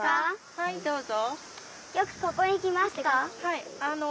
はいどうぞ。